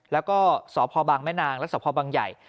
แล้วก็สพแม่นางและสพใหญ่